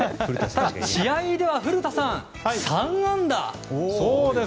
試合では古田さん、３安打。